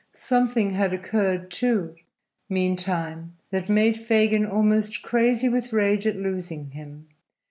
Something had occurred, too, meantime, that made Fagin almost crazy with rage at losing him.